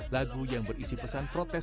lagu yang berisi pesan protes